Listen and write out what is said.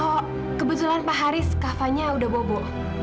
oh kebetulan pak haris kavanya udah bobo